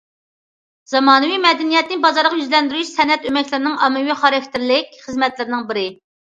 زامانىۋى مەدەنىيەتنى بازارغا يۈزلەندۈرۈش سەنئەت ئۆمەكلىرىنىڭ ئاممىۋى خاراكتېرلىك خىزمەتلىرىنىڭ بىرى.